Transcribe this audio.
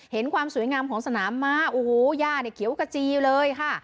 ความสวยงามของสนามม้าโอ้โหย่าเนี่ยเขียวกระจีเลยค่ะ